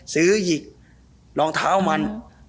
ซื้อหยิกรองเท้ามัน